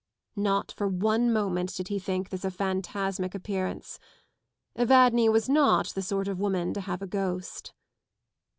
Not for one moment did he think this a phantasmk appearance. Evadne was not the sort of woman to have a ghost.